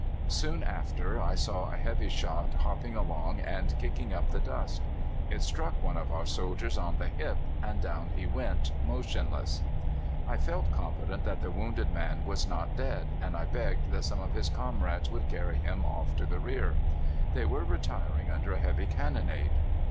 "Soon after I saw a heavy shot hopping along and kicking up the dust. It struck one of our soldiers on the hip, and down he went, motionless. "I felt confident that the wounded man was not dead, and I begged that some of his comrades would carry him off to the rear. They were retiring under a heavy cannonade.